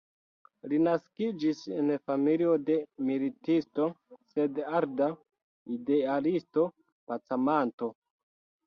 Li naskiĝis en familio de militisto sed arda idealisto-pacamanto.